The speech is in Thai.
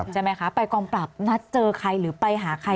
ใช่ไหมคะไปกองปรับนัดเจอใครหรือไปหาใคร